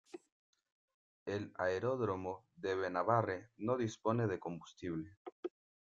El aeródromo de Benabarre no dispone de combustible.